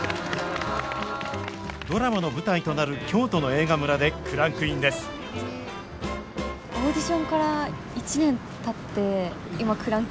ドラマの舞台となる京都の映画村でクランクインですあかん。